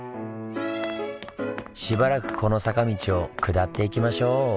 しばらくこの坂道を下っていきましょう！